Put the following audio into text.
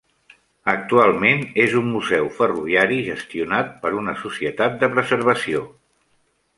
Actualment és un museu ferroviari, gestionat por una societat de preservació.